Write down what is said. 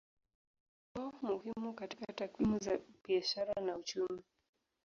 Ni kipimo muhimu katika takwimu za biashara na uchumi.